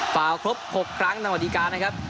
เฝ้าครบ๖ครั้งตั้งแต่วะดีการนะครับ